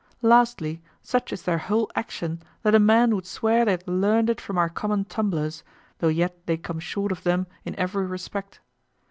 Lastly, such is their whole action that a man would swear they had learned it from our common tumblers, though yet they come short of them in every respect.